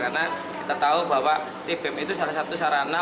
karena kita tahu bahwa tbm itu salah satu sarana